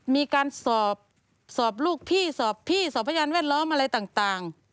มีการสอบสอบลูกพี่สอบพี่สอบพยานแวดล้อมอะไรต่าง